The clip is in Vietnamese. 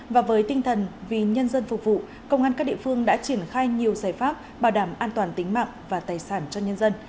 và với tinh thần vì nhân dân phục vụ công an các địa phương đã triển khai nhiều giải pháp bảo đảm an toàn tính mạng và tài sản cho nhân dân